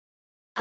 あ。